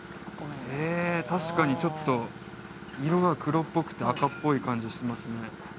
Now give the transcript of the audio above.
へえ確かにちょっと色が黒っぽくて赤っぽい感じしますね